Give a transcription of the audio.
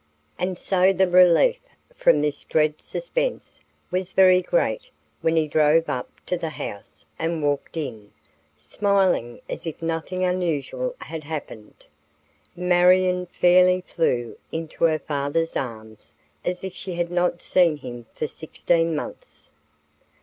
And so the relief from this dread suspense was very great when he drove up to the house and walked in, smiling as if nothing unusual had happened. Marion fairly flew into her father's arms as if she had not seen him for sixteen months.